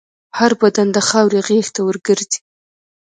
هر بدن د خاورې غېږ ته ورګرځي.